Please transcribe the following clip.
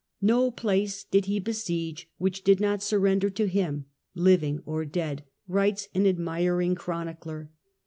" No place did he besiege which did not surrender Death of to him, living or dead !" writes an admiring Chronicler.